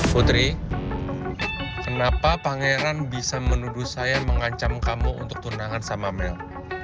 putri kenapa pangeran bisa menuduh saya mengancam kamu untuk tunangan sama mel